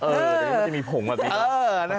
เออมันจะมีผงแบบนี้